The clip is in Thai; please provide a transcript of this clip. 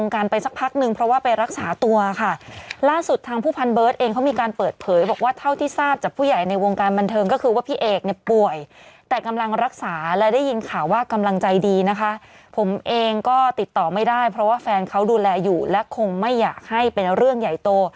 ครั้งหนึ่งขณะที่ชีวิตกำลังเป็นนางเอกลุ้งโลดเลย